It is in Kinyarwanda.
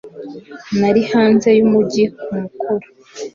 Nari hanze y'umujyi ku mukoro.